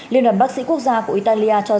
liên đoàn bác sĩ quốc gia của italia cho rằng